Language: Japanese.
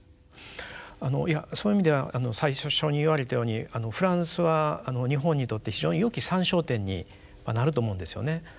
いやそういう意味では最初に言われたようにフランスは日本にとって非常によき参照点になると思うんですよね。